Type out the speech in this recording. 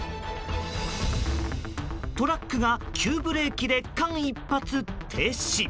トラックが急ブレーキで間一髪停止。